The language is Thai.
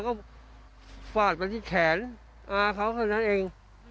ก็ฝาดไปที่แขนอาเขาเท่านั้นเอง